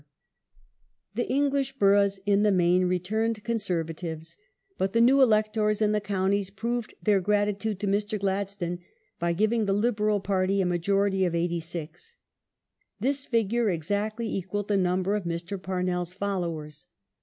1885] GENERAL ELECTION OF 1885 511 The English boroughs in the main returned Conservatives, but The the new electors in the counties proved their gratitude to Mr. EiTcUon Gladstone by giving the Liberal Party a majority of eighty six.^ of 1885 This figure exactly equalled the number of Mr. Parnell's followers.